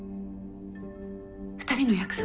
２人の約束よ。